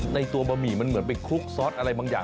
ตัวบะหมี่มันเหมือนไปคลุกซอสอะไรบางอย่าง